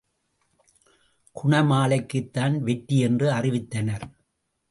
குணமாலைக்குத் தான் வெற்றி என்று அறிவித்தனர்.